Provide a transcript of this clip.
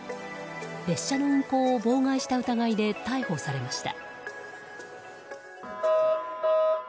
列車の運行を妨害した疑いで逮捕されました。